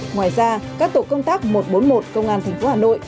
ngoài ra các tổ công tác một trăm bốn mươi một công an tp hà nội